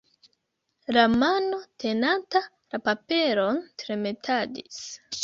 La mano tenanta la paperon tremetadis.